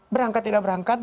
berangkat tidak berangkat